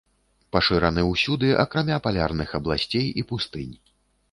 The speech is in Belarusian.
Пашыраны ўсюды, акрамя палярных абласцей і пустынь.